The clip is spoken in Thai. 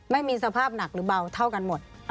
ไม่มีสภาพหนักหรือเบาเท่ากันหมด